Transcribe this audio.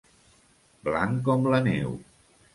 Blanc com la neu.